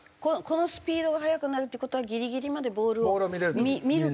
このスピードが速くなるっていう事はギリギリまでボールを見る事ができると。